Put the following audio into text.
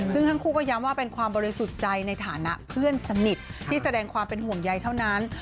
ซึ่งทั้งคู่ก็ย้ำว่าเป็นความบริสุทธิ์ใจในฐานะเพื่อนสนิทที่แสดงความเป็นห่วงใยเท่านั้น